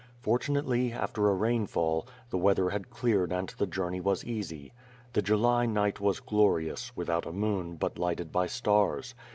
Fortunately, after a rainfall, the weather had cleared and the journey was easy. The July night was glorious, without a moon but lighted by stars.